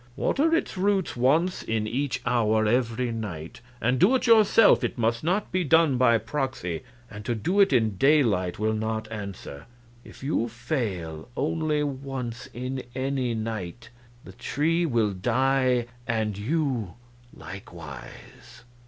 Water its roots once in each hour every night and do it yourself; it must not be done by proxy, and to do it in daylight will not answer. If you fail only once in any night, the tree will die, and you likewise.